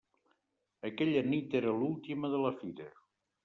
Aquella nit era l'última de la fira.